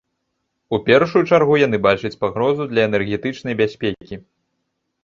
У першую чаргу яны бачаць пагрозу для энергетычнай бяспекі.